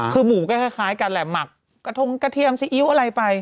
คือหมูก็คล้ายกันแหละหมักกระทงกระเทียมซีอิ๊วอะไรไป